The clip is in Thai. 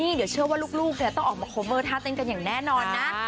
เดี๋ยวเชื่อว่าลูกต้องออกมาโคเวอร์ท่าเต้นกันอย่างแน่นอนนะ